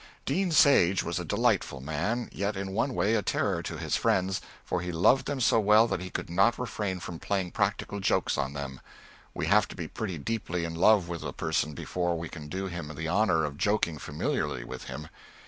Dean Sage was a delightful man, yet in one way a terror to his friends, for he loved them so well that he could not refrain from playing practical jokes on them. We have to be pretty deeply in love with a person before we can do him the honor of joking familiarly with him.